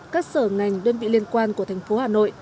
các sở ngành đơn vị liên quan của thành phố hà nội